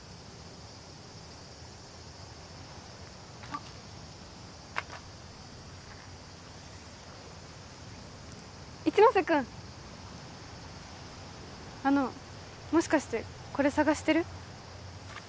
あ一ノ瀬君あのもしかしてこれ捜してる？